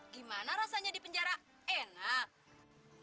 gimana rasanya di penjara enak